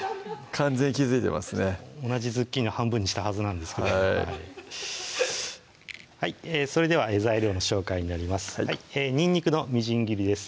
完全に気付いてますね同じズッキーニを半分にしたはずなんですけどそれでは材料の紹介になりますにんにくのみじん切りです